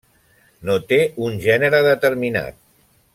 No té un gènere determinat.